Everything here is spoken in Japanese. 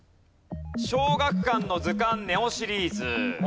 『小学館の図鑑ＮＥＯ』シリーズ。